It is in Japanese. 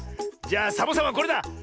じゃあサボさんはこれだ。